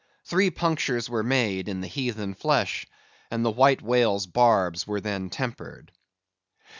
Three punctures were made in the heathen flesh, and the White Whale's barbs were then tempered.